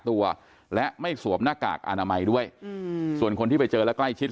ตัวและไม่สวมหน้ากากอนามัยด้วยอืมส่วนคนที่ไปเจอและใกล้ชิด